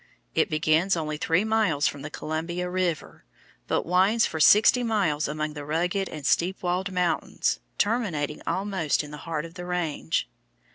It begins only three miles from the Columbia River, but winds for sixty miles among the rugged and steep walled mountains, terminating almost in the heart of the range.